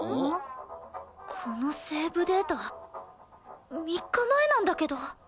このセーブデータ３日前なんだけど。